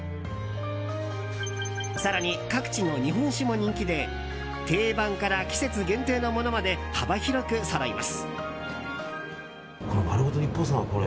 更に、各地の日本酒も人気で定番から季節限定のものまで幅広くそろいます。